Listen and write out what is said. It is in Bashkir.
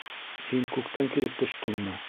Һин күктән килеп төштөңме?